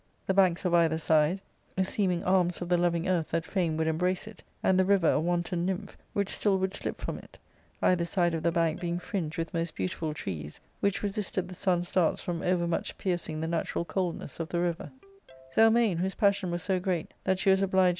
The banks of either side ''/ seeming armsofjhe lovin^earth that fain would embrace it, and the riVSTa wanton nymph which still would slip from it, ^ either side of the bank being fringed with most beautiful trees, which resisted the sun's darts from over much piercing the natural coldness of the riven / Zelmane, whose passion was so great that she was obliged.